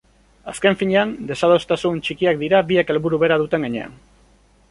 Azken finean, desadostasun txikiak dira biek helburu bera duten heinean.